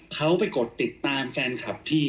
เขาไปกดติดตามแฟนคลับพี่